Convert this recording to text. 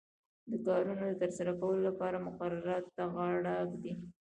د کارونو د ترسره کولو لپاره مقرراتو ته غاړه ږدي.